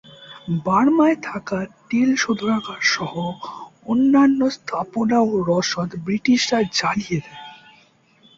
বার্মায় থাকা তেল শোধনাগারসহ অন্যান্য স্থাপনা ও রসদ ব্রিটিশরা জ্বালিয়ে দেয়।